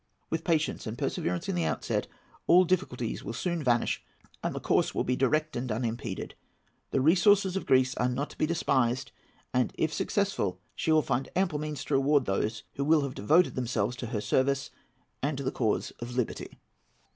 With patience and perseverance in the outset, all difficulties will soon vanish, and the course will be direct and unimpeded. The resources of Greece are not to be despised, and, if successful, she will find ample means to reward those who will have devoted themselves to her service and to the cause of liberty."